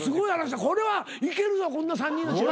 これはいけるぞこんな３人の力。